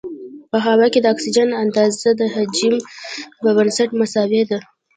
په هوا کې د اکسیجن اندازه د حجم په بنسټ مساوي ده.